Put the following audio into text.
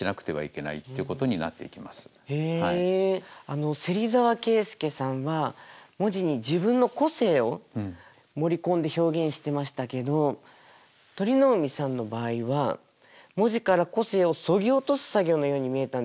あの芹沢介さんは文字に自分の個性を盛り込んで表現してましたけど鳥海さんの場合は文字から個性をそぎ落とす作業のように見えたんですよね。